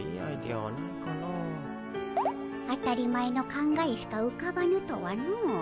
当たり前の考えしかうかばぬとはのう。